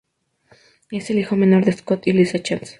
Es el hijo menor de Scott y Lisa Chance.